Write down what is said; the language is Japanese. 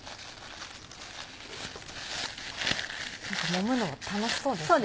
もむのが楽しそうですね。